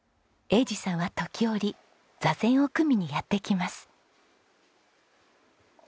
栄治さんは時折坐禅を組みにやって来ます。